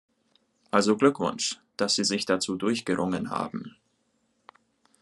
Also Glückwunsch, dass Sie sich dazu durchgerungen haben!